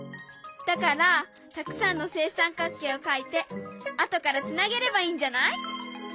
だからたくさんの正三角形を描いて後からつなげればいいんじゃない？